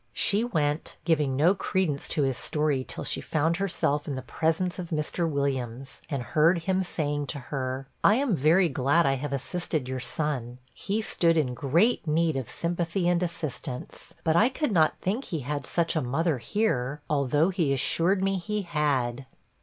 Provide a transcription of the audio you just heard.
She went, giving no credence to his story till she found herself in the presence of Mr. Williams, and heard him saying to her, 'I am very glad I have assisted your son; he stood in great need of sympathy and assistance; but I could not think he had such a mother here, although he assured me he had.'